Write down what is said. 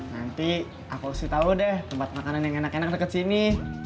nanti aku kasih tau deh tempat makanan yang enak enak dekat sini